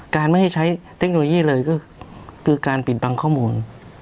ไม่ให้ใช้เทคโนโลยีเลยก็คือการปิดบังข้อมูล